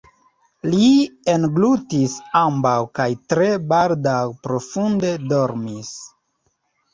Li englutis ambaŭ kaj tre baldaŭ profunde dormis.